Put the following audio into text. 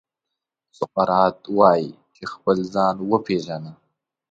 سقراط وايي چې خپل ځان وپېژنه.